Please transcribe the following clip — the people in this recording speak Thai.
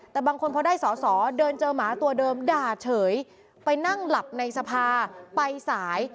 แต่บางคนพอได้สอสอเดินเจอหมาตัวเดิมด่าเฉยไปนั่งหลับในสภาไปสาย